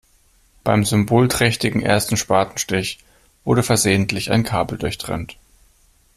Beim symbolträchtigen ersten Spatenstich wurde versehentlich ein Kabel durchtrennt.